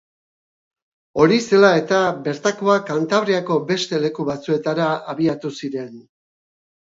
Hori zela eta, bertakoak Kantabriako beste leku batzuetara abiatu ziren.